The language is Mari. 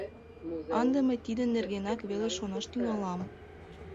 — Ынде мый тидын нергенак веле шонаш тӱҥалам!